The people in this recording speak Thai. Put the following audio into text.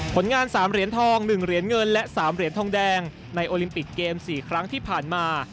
ผลงาน๓เหรียญทอง๑เหรียญเงินและ๓เหรียญทองแดงในโอลิมปิกเกม๔ครั้งที่ผ่านมา